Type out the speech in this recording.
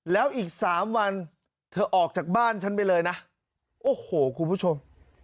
แล้วอีกสามวันเธอออกจากบ้านฉันไปเลยนะโอ้โหคุณผู้ชม